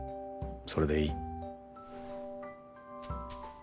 それでいい。